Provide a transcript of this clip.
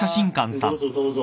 どうぞどうぞ。